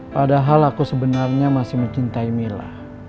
padahal aku sebenarnya masih mencintai mila